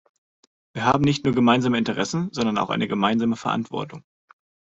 Wir haben nicht nur gemeinsame Interessen, sondern auch eine gemeinsame Verantwortung.